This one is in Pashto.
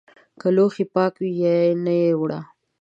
که لوښي پاک وي یا نه رایې وړه!